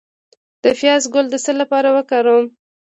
د پیاز ګل د څه لپاره وکاروم؟